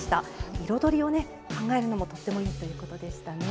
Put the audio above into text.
彩りをね考えるのもとてもいいということでしたね。